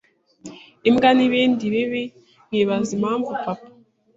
imbwa n’ibindi bibi nkibaza impamvu papa